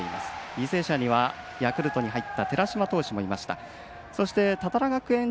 履正社にはヤクルトに入った寺嶋投手もいました。